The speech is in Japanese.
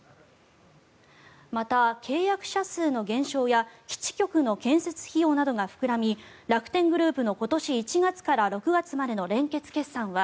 また、契約者数の減少や基地局の建設費用などが膨らみ楽天グループの今年１月から６月までの連結決算は